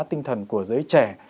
tinh thần của giới trẻ